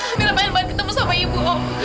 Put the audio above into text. amira saya ingin bertemu sama ibu om